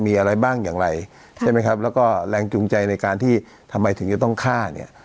มีอะไรบ้างอย่างไรใช่ไหมครับแล้วก็แรงจูงใจในการที่ทำไมถึงจะต้องฆ่าเนี่ย